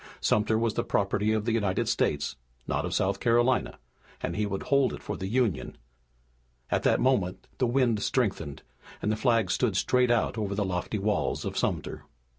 Sumter was the property of the United States, not of South Carolina, and he would hold it for the Union. At that moment the wind strengthened, and the flag stood straight out over the lofty walls of Sumter.